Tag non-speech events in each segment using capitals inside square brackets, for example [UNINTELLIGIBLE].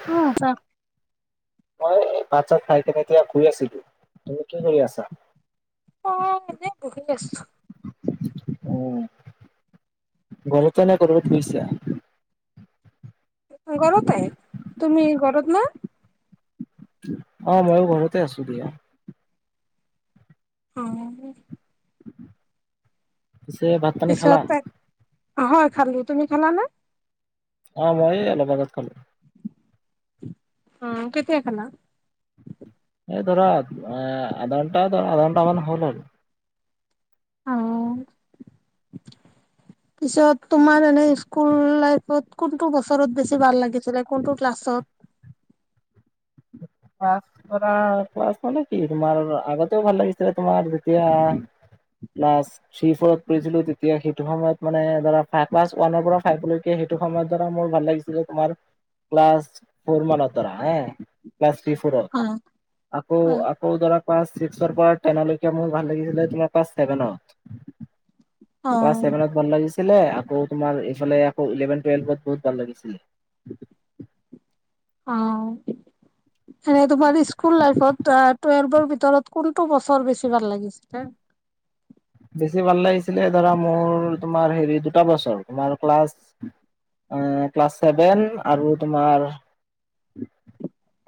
[UNINTELLIGIBLE] মই এই ভাত চাত খাই কিনে এতিয়া শুই আছিলো, তুমি কি কৰি আছা? মই এনে বহি আছো। অ' ঘৰতেনে, কৰবাত গৈছা? গৰতে, তুমি গৰত না? অ' ময়ো ঘৰতে আছোঁ দিয়া। অ' [INAUDIBLE] পিছে ভাত পানী খালা? পিছত তা [INAUDIBLE] হয়, খালো। তুমি খালানে? অ' মই এ অলপ আগত খালোঁ। অ' কেতিয়া খালা? এ দৰা আট-আ-আধা ঘণ্টা ধৰা আধা ঘণ্টা মান হ'ল আৰু। অ পিছত তোমাৰ এনে স্কুল লাই ফত কোনটো বছৰত বেছি ভাল লাগিছিলে? কোনটো ক্লাছত? [UNINTELLIGIBLE] ধৰা ক্লাছ মানে কি তোমাৰ আৰু আগতেও ভাল লাগিছিলে তোমাৰ যেতিয়া ক্লাছ থ্ৰী, ফ'ৰত পঢ়িছিলো তেতিয়া সেইটো সময়ত মানে ধৰা ফা ক্লাছ ওৱানৰ পৰা ফাইভলৈকে সেইটো সময়ত ধৰা মোৰ ভাল লাগিছি ছিলে তোমাৰ ক্লাছ ফৰ মানত ধৰা হে ক্লাছ থ্ৰী ফৰত, অ আকৌ অ আকৌ ধৰা ক্লাছ ছিক্সৰ পৰা টেনলৈকে মোৰ ভাল লাগিছিলে তোমাৰ ক্লাছ ছেভেনত। অ ক্লাছ ছেভেনত ভাল লাগিছিলে। আকৌ তোমাৰ এইফালে আকৌ ইলেভেন, টুৱেলভত বহুত ভাল লাগিছিলে। অ', এনে তোমাৰ স্কুল লাইফত টুৱে-টুৱেলভৰ ভিতৰত কোনটো বছৰ বেছি ভাল লাগিছিলে? বেছি ভাল লাগিছিলে ধৰা মোৰ তোমাৰ হেৰি দুটা বছৰ। তোমাৰ ক্লাছ আ ক্লাছ ছেভেন আৰু তোমাৰ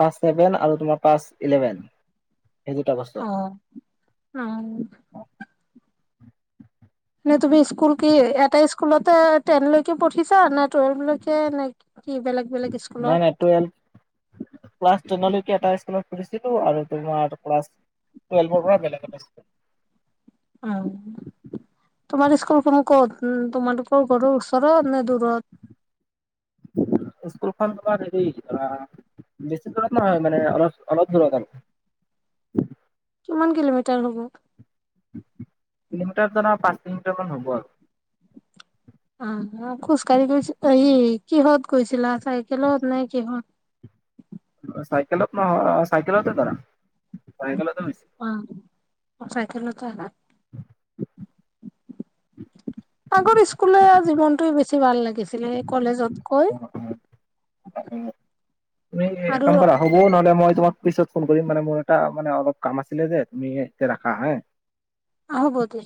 পাছ ছেভেন আৰু তোমাৰ পাছ ইলেভেন। সেই দুটা বছৰ অ' আ-ম। নে তুমি স্কুল কি এ-এটা স্কুলতে টেনলৈকে পঢ়িছা নে টুৱেলভলৈকে নে কি বেলেগ? বেলেগ স্কুলত নাই, নাই। টুৱেলভ ক্লাছ টেনলৈকে এটা স্কুলত পঢ়িছিলোঁ আৰু তোমাৰ ক্লাছ টুৱেলভৰ পৰা বেলেগ এটা স্কুল। আ, তোমাৰ স্কুলখনে ক'ত উ তোমালোকৰ ঘৰৰ ওচৰত নে দূৰত? স্কুলখন তোমাৰ হেৰি আ বেছি দূৰত নহয় মানে অলপ, অলপ দূৰত আৰু। কিমান কিল'মিটাৰ হ'ব? কিল'মিটাৰ [UNINTELLIGIBLE] পাঁচ কিল'মিটাৰ মান হ'ব আৰু। আ-আ খোজ কঢ়ি গৈছিল এই কিহত গৈছিলা চাইকেলত নে কিহত? অ' চাইকেলত নহয়। অ' চাইকেলতে ধৰা। চাইকেলতে গৈছি অ', অ' চাইকেলতে আহা? আগৰ স্কুলীয়া জীৱনটোৱে বেছি ভাল লাগিছিলে। কলেজত [UNINTELLIGIBLE] তুমি আৰু কাম কৰা? হ'ব নহ'লে মই তোমাক পিছত ফোন কৰিম মানে মোৰ এটা মানে অলপ কাম আছিলে যে, তুমি এতিয়া ৰাখা হা। অ' হ'ব দিয়া।